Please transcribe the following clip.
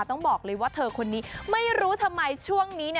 ต้องบอกเลยว่าเธอคนนี้ไม่รู้ทำไมช่วงนี้